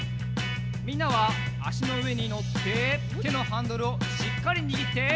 みんなはあしのうえにのっててのハンドルをしっかりにぎって。